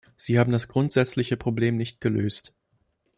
Sie haben das grundsätzliche Problem nicht gelöst!